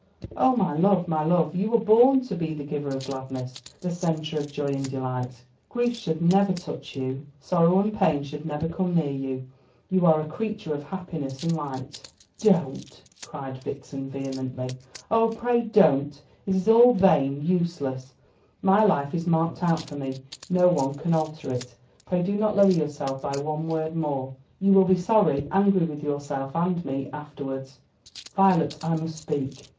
Oh, my love, my love, you were born to be the giver of gladness, the centre of joy and delight. Grief should never touch you; sorrow and pain should never come near you. You are a creature of happiness and light." "Don't!" cried Vixen vehemently. "Oh, pray don't. It is all vain useless. My life is marked out for me. No one can alter it. Pray do not lower yourself by one word more. You will be sorry angry with yourself and me afterwards." "Violet, I must speak."